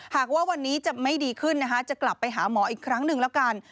หากว่าวันนี้จะไม่ดีขึ้นนะคะจะกลับไปหาหมออีกครั้งหนึ่งแล้วกัน